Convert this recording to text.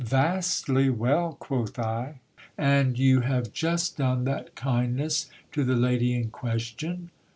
Yasdy well, quoth I, :ind you have just done that kindness to the lady in question!